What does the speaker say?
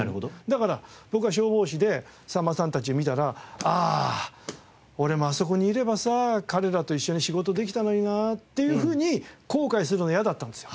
だから僕は消防士でさんまさんたち見たらああ俺もあそこにいればさ彼らと一緒に仕事できたのになっていうふうに後悔するのが嫌だったんですよ。